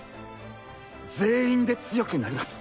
全員で強くなります